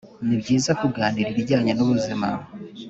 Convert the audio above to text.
ni byiza kuganira ibijyanye n’ubuzima